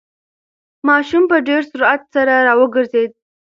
ماشوم په ډېر سرعت سره راوگرځېد.